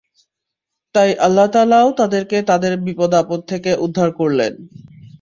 তাই আল্লাহ তাআলাও তাদেরকে তাদের বিপদাপদ থেকে উদ্ধার করলেন।